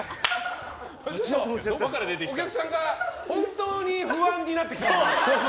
お客さんが本当に不安になってきた。